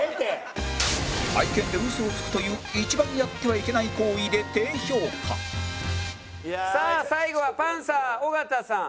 会見で嘘をつくという一番やってはいけない行為で低評価さあ最後はパンサー尾形さん。